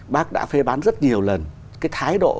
bác đã phê bán rất nhiều lần cái thái độ